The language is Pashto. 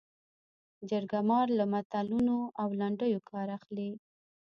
جرګه مار له متلونو او لنډیو کار اخلي